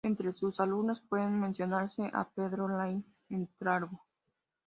Entres sus alumnos puede mencionarse a Pedro Laín Entralgo.